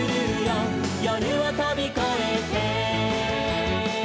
「夜をとびこえて」